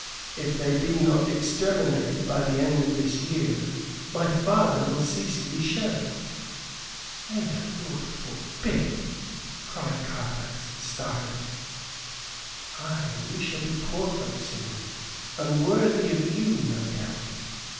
If they be not exterminated by the end of this year my father will cease to be Sheriff." "May the Lord forbid!" cried Carfax, startled. "Ay, and we shall be poor folk, Simeon, unworthy of you, no doubt.